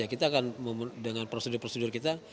kita akan dengan prosedur prosedur kita